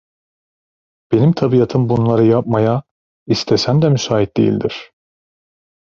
Benim tabiatım bunları yapmaya, istesem de müsait değildir!